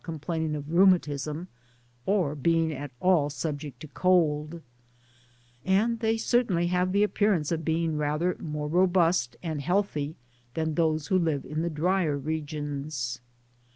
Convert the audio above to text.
9 complaining of rheumatism, or being at all 'subject to cold ; and they certainly have the appearance of being rather more robust and healthy than those who live in the drier regions.